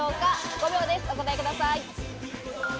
５秒でお答えください。